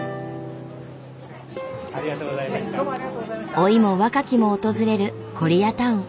老いも若きも訪れるコリアタウン。